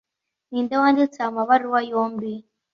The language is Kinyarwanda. Ninde wanditse aya mabaruwa yombi